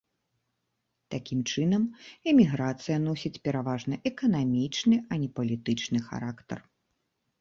Такім чынам, эміграцыя носіць пераважна эканамічны, а не палітычны характар.